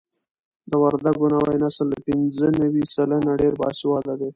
د وردګو نوی نسل له پنځه نوي سلنه ډېر باسواده دي.